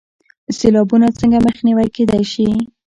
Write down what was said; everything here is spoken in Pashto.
سیلابونه څنګه مخنیوی کیدی شي؟